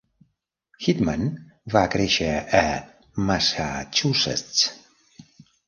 Hickman va créixer a Massachusetts.